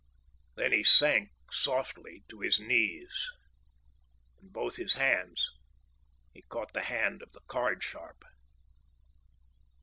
Then he sank softly to his knees. In both his hands he caught the hand of the card sharp.